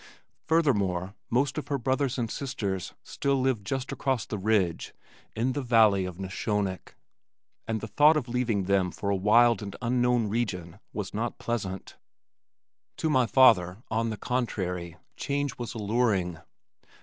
Furthermore, most of her brothers and sisters still lived just across the ridge in the valley of the Neshonoc, and the thought of leaving them for a wild and unknown region was not pleasant. To my father, on the contrary, change was alluring.